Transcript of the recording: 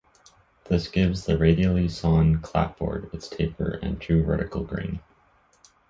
This gives the radially sawn clapboard its taper and true vertical grain.